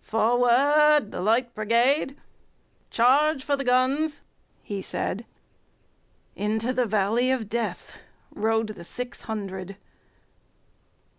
"Forward, the Light Brigade! Charge for the guns!" he said:Into the valley of DeathRode the six hundred.